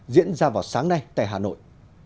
diễn ra vào sáng nay tại hà nội